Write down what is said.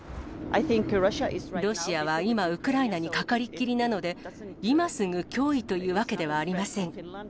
ロシアは今、ウクライナにかかりっきりなので、今すぐ脅威というわけではありません。